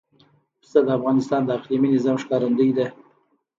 پسه د افغانستان د اقلیمي نظام ښکارندوی ده.